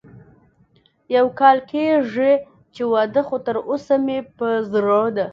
يو کال کېږي چې واده خو تر اوسه مې په زړه ده